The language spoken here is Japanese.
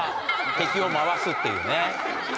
敵を回すっていうね。